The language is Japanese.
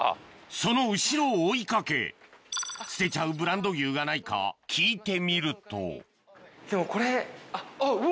その後ろを追い掛け捨てちゃうブランド牛がないか聞いてみるとでもこれあっうわ！